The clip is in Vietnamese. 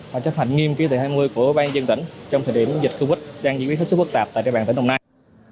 và chấp hành nghiêm chỉ thị hai mươi của ban dân tỉnh trong thời điểm dịch covid đang diễn biến rất phức tạp tại địa bàn tỉnh đồng nai